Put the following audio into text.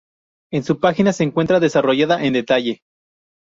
En su página se encuentra desarrollada en detalle.